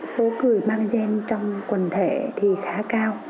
số cười mang gen trong quần thể thì khá cao